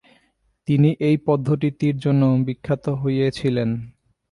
তিনি এই পদ্ধতিটির জন্য বিখ্যাত হয়েছিলেন।